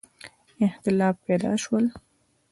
اختلافات پیدا شول.